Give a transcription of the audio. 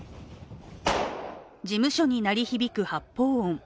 事務所に鳴り響く発砲音。